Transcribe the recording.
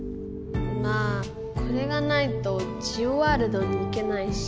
まあこれがないとジオワールドに行けないし。